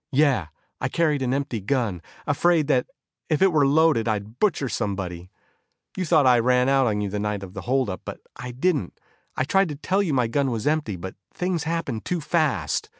Yeah, I carried an empty gun, afraid that if it were loaded I'd butcher somebody. You thought I ran out on you the night of the hold up, but I didn't. I tried to tell you my gun was empty, but things happened too fast.